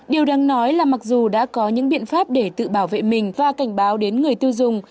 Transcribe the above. điều đáng nói là mặc dù đã có những biện pháp để tự bảo vệ mình và cảnh báo đến người tiêu dùng